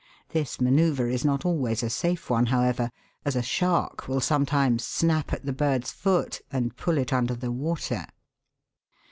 This manoeuvre is not always a safe one, however, as a shark will sometimes snap at the bird's foot and pull it under the water.